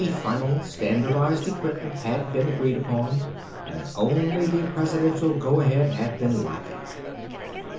The final standardized equipment had been agreed upon, and only the Presidential go ahead had been lacking.